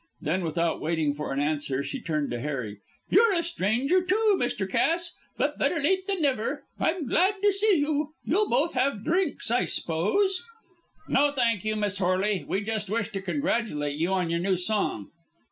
Then, without waiting for an answer, she turned to Harry: "You're a stranger, too, Mr. Cass, but better late than never. I am glad to see you. You'll both have drinks, I s'pose?" "No, thank you, Miss Horley. We just wish to congratulate you on your new song."